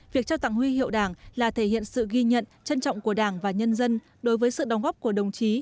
việc trao tặng huy hiệu đảng là thể hiện sự ghi nhận trân trọng của đảng và nhân dân đối với sự đóng góp của đồng chí